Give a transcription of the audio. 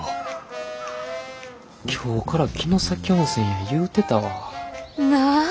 今日から城崎温泉や言うてたわ。なぁ？